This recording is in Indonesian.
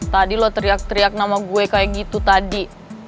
tadi lo teriak teriak nama gue kayak gitu tadi